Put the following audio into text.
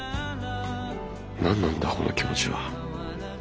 何なんだこの気持ちは。